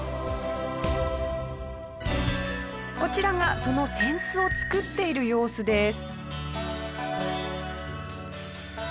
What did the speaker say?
こちらがその扇子を作っている様子です。